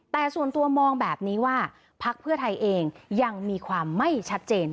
แต่ส่วนตัวมองแบบนี้ว่าพักเพื่อไทยเองยังมีความไม่ชัดเจน